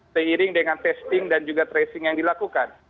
seiring dengan testing dan juga tracing yang dilakukan